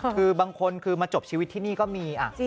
คือบางคนคือมาจบชีวิตที่นี่ก็มี